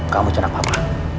kamu cunak papa